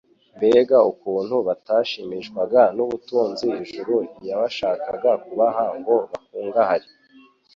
Mbega ukuntu batashimishwaga n'ubutunzi ijuru iyashakaga kubaha ngo bakungahare!